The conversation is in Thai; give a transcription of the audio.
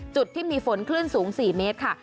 จุดที่มีฝนคลื่นสูง๔เมตรค่ะ